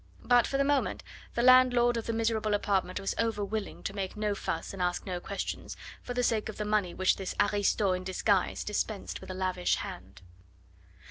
But for the moment the landlord of the miserable apartment was over willing to make no fuss and ask no questions, for the sake of the money which this aristo in disguise dispensed with a lavish hand.